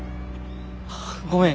ごめん。